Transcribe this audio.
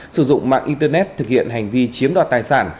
sử dụng mạng internet thực hiện hành vi chiếm đoạt tài sản